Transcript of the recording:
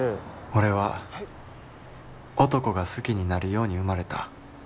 「俺は男が好きになるように生まれた。